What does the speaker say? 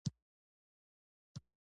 د پښتو د تدریس لپاره لازم درسي مواد نشته.